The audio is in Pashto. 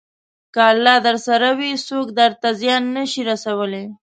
که الله درسره وي، څوک درته زیان نه شي رسولی.